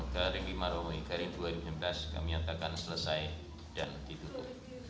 kering lima dua tujuh belas kami yatakan selesai dan ditutup